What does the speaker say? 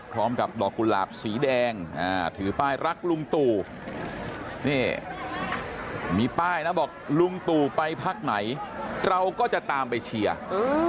พร้อมกับดอกกุหลาบสีแดงอ่าถือป้ายรักลุงตู่นี่มีป้ายนะบอกลุงตู่ไปพักไหนเราก็จะตามไปเชียร์